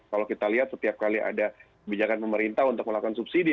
kalau kita lihat setiap kali ada kebijakan pemerintah untuk melakukan subsidi